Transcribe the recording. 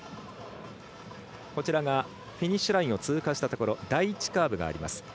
フィニッシュラインを通過したところ第１カーブがあります。